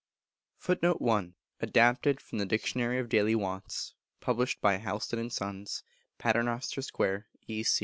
[Footnote 1: Adapted from the "Dictionary of Daily Wants," published by Houlston and Sons, Paternoster Square, E.